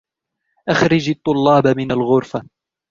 أخرج الطلابَ من الغرفة.